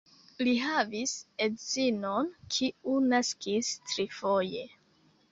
Li havis edzinon, kiu naskis trifoje.